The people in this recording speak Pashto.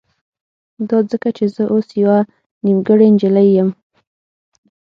دا ځکه چې زه اوس يوه نيمګړې نجلۍ يم.